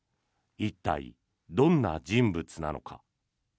一体、どんな人物なのか。